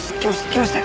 来ました！